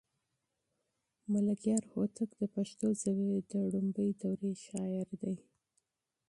ملکیار هوتک د پښتو ژبې د لومړنۍ دورې شاعر دی.